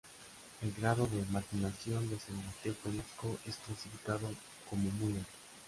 El grado de marginación de San Mateo Peñasco es clasificado como Muy alto.